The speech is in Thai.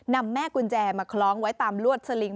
แม่กุญแจมาคล้องไว้ตามลวดสลิง